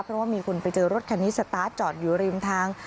เพราะว่ามีคนไปเจอรถคันนี้สตาร์ทจอดอยู่ริมทาง